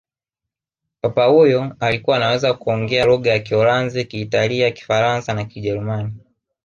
papa huyo alikuwa anaweza kuongea lugha ya kiholanzi kiitalia kifaransa na kijerumani